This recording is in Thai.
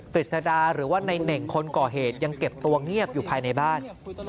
ฤษดาหรือว่าในเน่งคนก่อเหตุยังเก็บตัวเงียบอยู่ภายในบ้าน